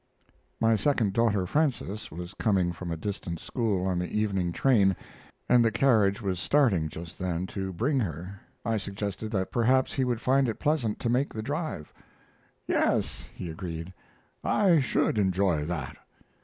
My second daughter, Frances, was coming from a distant school on the evening train, and the carriage was starting just then to bring her. I suggested that perhaps he would find it pleasant to make the drive. "Yes," he agreed, "I should enjoy that."